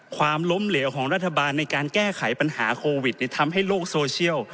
ความล้มเหลวของรัฐบาลในการแก้ไขปัญหาโควิดทำให้โลกโซเชียล